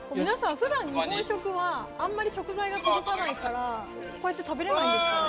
普段、日本食はあまり食材が届かないからこうやって食べれないんですかね。